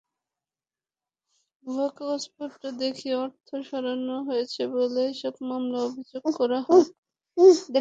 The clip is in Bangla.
ভুয়া কাগজপত্র দেখিয়ে অর্থ সরানো হয়েছে বলে এসব মামলায় অভিযোগ করা হয়।